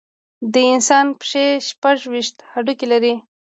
د انسان پښې شپږ ویشت هډوکي لري.